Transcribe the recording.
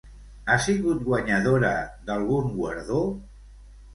Ha sigut guanyadora d'algun guardó?